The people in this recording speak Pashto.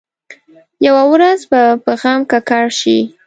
یوه ورځ به په غم ککړ شي.